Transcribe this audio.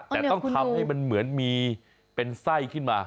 แต่ต้องทำให้มันเหมือนมีเป็นไส้ขึ้นมา